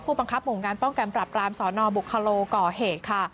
บังคับหมู่งานป้องกันปรับรามสนบุคโลก่อเหตุค่ะ